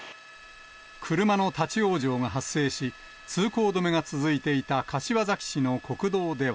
車の立往生が発生し、通行止めが続いていた柏崎市の国道では。